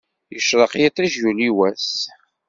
Yecṛeq yiṭṭij yuli wass.